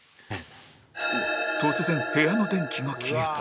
突然部屋の電気が消えた